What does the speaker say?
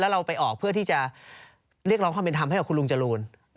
เราไปออกเพื่อที่จะเรียกร้องความเป็นธรรมให้กับคุณลุงจรูน